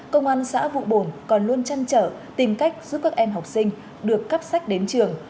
công an xã vụ bồn còn luôn chăn trở tìm cách giúp các em học sinh được cắp sách đến trường